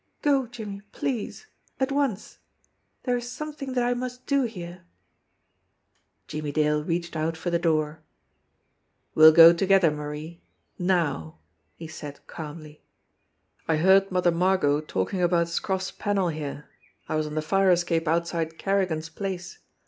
"Go, Jimmie, please at once. There is something that I must do here." Jimmie Dale reached out for the door. "We'll go together, Marie now," he said calmly, heard Mother Margot talking about Scroff's panel here. "I was on the fire escape outside Kerrigan's place.